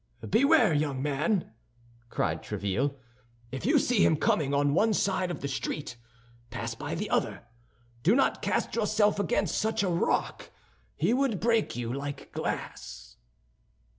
"Beware, young man!" cried Tréville. "If you see him coming on one side of the street, pass by on the other. Do not cast yourself against such a rock; he would break you like glass."